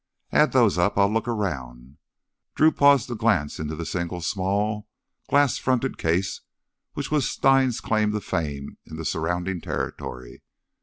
"Add those up. I'll look around." Drew paused to glance into the single small, glass fronted case which was Stein's claim to fame in the surrounding territory.